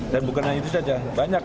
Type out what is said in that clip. dan bukan hanya itu saja banyak